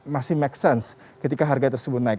masih make sense ketika harga tersebut naik